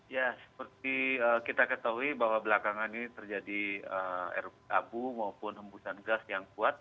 ya seperti kita ketahui bahwa belakangan ini terjadi erup abu maupun hembusan gas yang kuat